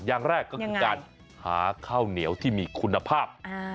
อย่างแรกก็คือการหาข้าวเหนียวที่มีคุณภาพ